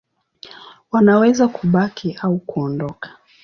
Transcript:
Wanaweza kubaki au kuondoka.